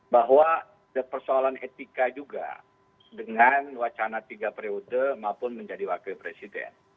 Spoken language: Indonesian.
bahwa persoalan etika juga dengan wacana tiga periode maupun menjadi wakil presiden